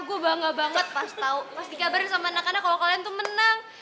gue bangga banget pas dikabarin sama anak anak kalau kalian tuh menang